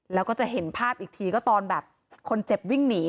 แล้วก็จะเห็นภาพอีกทีก็ตอนแบบคนเจ็บวิ่งหนี